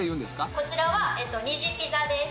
こちらはニジピザです。